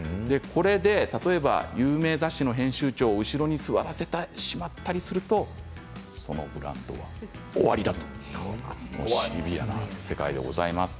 これで有名雑誌の編集長などを後ろに座らせてしまったりするとそのブランドは終わりだとシビアな世界でございます。